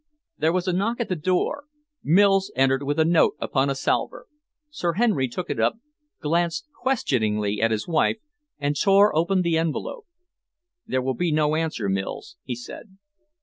There was a knock at the door. Mills entered with a note upon a salver. Sir Henry took it up, glanced questioningly at his wife, and tore open the envelope. "There will be no answer, Mills," he said.